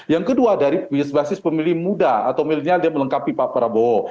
yang kedua dari basis pemilih muda atau milenial dia melengkapi pak prabowo